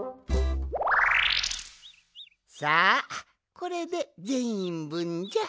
さあこれでぜんいんぶんじゃ。